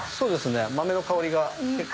豆の香りが結構。